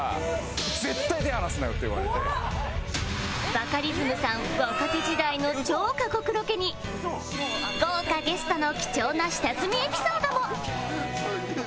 バカリズムさん若手時代の超過酷ロケに豪華ゲストの貴重な下積みエピソードも